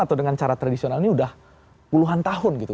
atau dengan cara tradisional ini udah puluhan tahun gitu